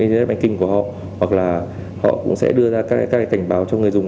internet banking của họ hoặc là họ cũng sẽ đưa ra các cái cảnh báo cho người dùng